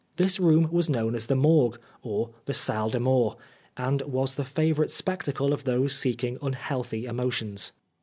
This room was known as the Morgue, or the Salle des Moris, and was the favourite spectacle of those seeking unhealthy emo tions.